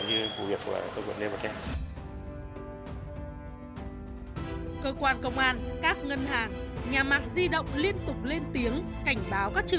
như vụ việc của cơ quan liên hợp thế